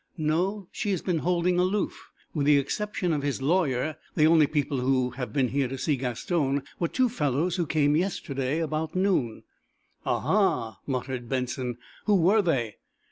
"No; she has been holding aloof. With the exception of his lawyer, the only people who ye been here to see Gaston were two fellows who came yesterday, about noon." "Oho!" muttered Benson. "Who were they?"